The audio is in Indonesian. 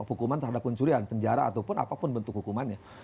hukuman terhadap pencurian penjara ataupun apapun bentuk hukumannya